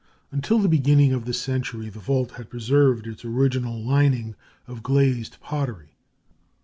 Until the beginning of this century the vault had preserved its original lining of glazed pottery.